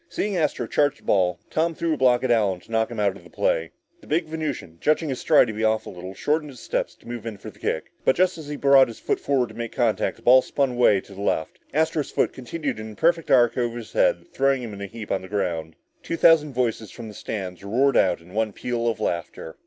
Seeing Astro charge the ball, Tom threw a block on Allen to knock him out of the play. The big Venusian, judging his stride to be a little off, shortened his steps to move in for the kick. But just as he brought his foot forward to make contact, the ball spun away to the left. Astro's foot continued in a perfect arc over his head, throwing him in a heap on the ground. Two thousand voices from the stands roared in one peal of laughter.